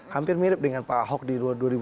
hampir mirip dengan pak ahok di dua ribu empat belas